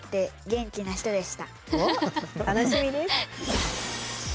おっ楽しみです。